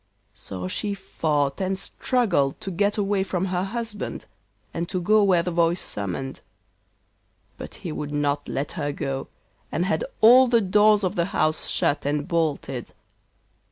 So she fought and struggled to get away from her husband, and to go where the voice summoned. But he would not let her go, and had all the doors of the house shut and bolted.